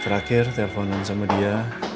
terakhir telponin sama dia